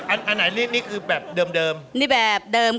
อันไหนนี่คือแบบเดิม